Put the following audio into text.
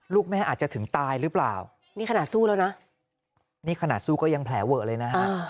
ลูกแม่อาจจะถึงตายหรือเปล่านี่ขนาดสู้แล้วนะนี่ขนาดสู้ก็ยังแผลเวอะเลยนะฮะ